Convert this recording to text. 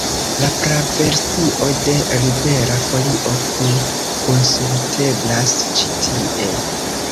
La praversio de Libera Folio plu konsulteblas ĉi tie.